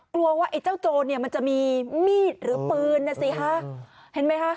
กลัวว่าไอ้เจ้าโจรเนี่ยมันจะมีมีดหรือปืนนะสิคะเห็นไหมคะ